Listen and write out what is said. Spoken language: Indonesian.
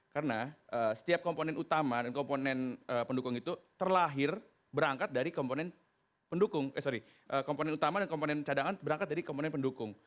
karena setiap komponen utama dan komponen cadangan berangkat dari komponen pendukung